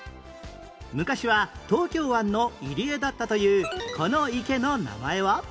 昔は東京湾の入り江だったというこの池の名前は？